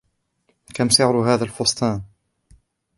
كم سعر هذا الفستان ؟